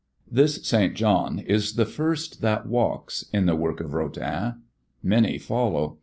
This "St. John" is the first that walks in the work of Rodin. Many follow.